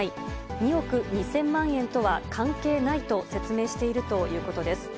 ２億２０００万円とは関係ないと説明しているということです。